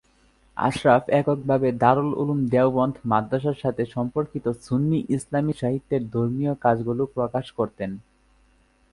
আশরাফ এককভাবে দারুল উলূম দেওবন্দ মাদ্রাসার সাথে সম্পর্কিত সুন্নি ইসলামী সাহিত্যের ধর্মীয় কাজগুলো প্রকাশ করতেন।